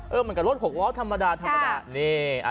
เออมันกับรถหกล้อฮะฮะฮะฮะฮะฮะฮะฮะฮะฮะฮะ